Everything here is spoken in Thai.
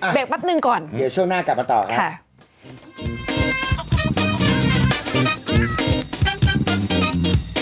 เอาไปเปรียบแป๊บหนึ่งก่อนอืมอืมน้องเปรียบนะครับเอาไป